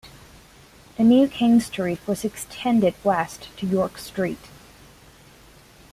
The new King Street was extended west to York Street.